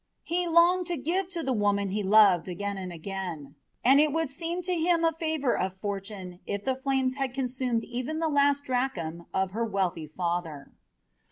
He longed to give to the woman he loved again and again, and it would have seemed to him a favour of fortune if the flames had consumed even the last drachm of her wealthy father.